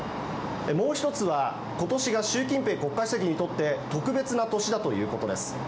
もう１つは今年が習近平国家主席にとって特別な年だということです。